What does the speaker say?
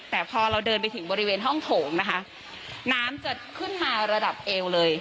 แต่พอเราเดินไปถึงบริเวณห้องโถงนะคะน้ำจะขึ้นมาระดับเอวเลย